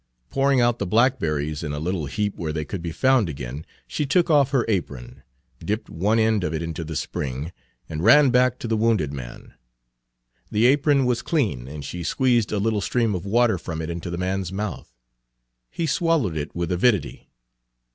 Pouring out the blackberries in a little heap where they could be found again, she took off her apron, dipped one end of it into the spring, and ran back to the wounded man. The apron was clean, and she squeezed a little stream of water from it into the man's mouth. He swallowed it with avidity.